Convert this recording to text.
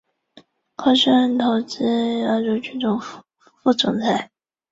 致使精神上受到极大的打击。